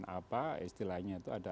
apa istilahnya itu ada